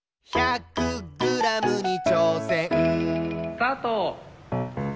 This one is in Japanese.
・スタート！